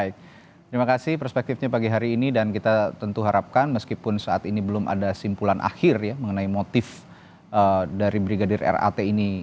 baik terima kasih perspektifnya pagi hari ini dan kita tentu harapkan meskipun saat ini belum ada simpulan akhir ya mengenai motif dari brigadir rat ini